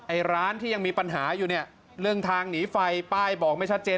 ร้านที่ยังมีปัญหาอยู่เนี่ยเรื่องทางหนีไฟป้ายบอกไม่ชัดเจน